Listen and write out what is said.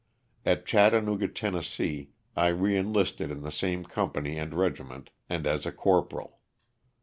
At Chattanooga, Tenn., I re enlisted in the same company and regiment, and as a corporal.